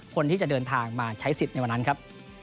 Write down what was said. คนที่จะเดินทางมาใช้สิทธิ์ในวันนั้นครับ